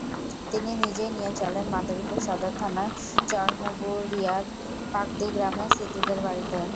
তিনি নিজেই নিয়ে চলেন মাদারীপুর সদর থানার চরমুগুরিয়ার পাকদী গ্রামে সিদ্দিকুরের বাড়িতে।